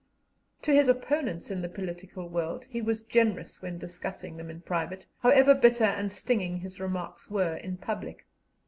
To his opponents in the political world he was generous when discussing them in private, however bitter and stinging his remarks were in public.